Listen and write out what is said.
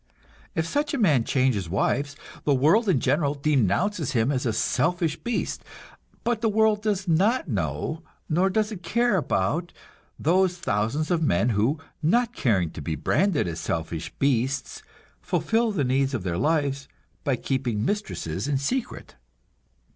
If such a man changes wives, the world in general denounces him as a selfish beast; but the world does not know nor does it care about those thousands of men who, not caring to be branded as selfish beasts, fulfill the needs of their lives by keeping mistresses in secret.